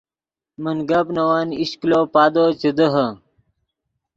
من گپ نے ون ایش کلو پادو چے دیہے